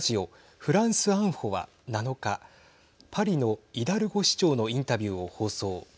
フランスアンフォは７日パリのイダルゴ市長のインタビューを放送。